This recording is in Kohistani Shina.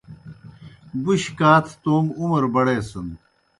بُش کاتھہ توموْ عُمر بڑیسَن۔